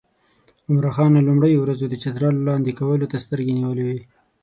عمرا خان له لومړیو ورځو د چترال لاندې کولو ته سترګې نیولې وې.